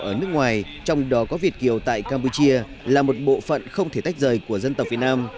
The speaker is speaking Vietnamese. ở nước ngoài trong đó có việt kiều tại campuchia là một bộ phận không thể tách rời của dân tộc việt nam